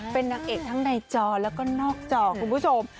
เป็นนางเอกทั้งในจอแล้วก็นอกจอคุณผู้ชม